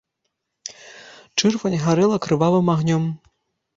Чырвань гарэла крывавым агнём.